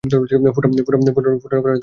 Photon কণা একটি boson.